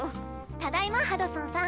ただいまハドソンさん。